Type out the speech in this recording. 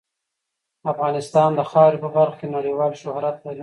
افغانستان د خاوره په برخه کې نړیوال شهرت لري.